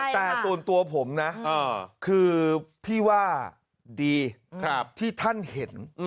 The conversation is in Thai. แต่ส่วนตัวผมนะคือพี่ว่าดีที่ท่านเห็น